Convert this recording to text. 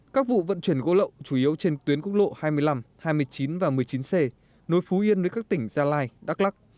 các vụ vận chuyển gỗ lậu chủ yếu trên tuyến quốc lộ hai mươi năm hai mươi chín và một mươi chín c nối phú yên với các tỉnh gia lai đắk lắc